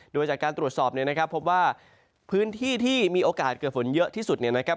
โดยจากการตรวจสอบเนี่ยนะครับพบว่าพื้นที่ที่มีโอกาสเกิดฝนเยอะที่สุดเนี่ยนะครับ